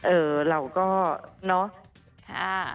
เออเราก็เนาะ